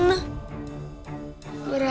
nggak nggak kena